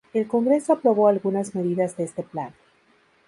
El Congreso aprobó algunas medidas de este plan.